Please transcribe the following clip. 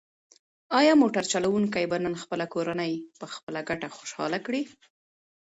ایا موټر چلونکی به نن خپله کورنۍ په خپله ګټه خوشحاله کړي؟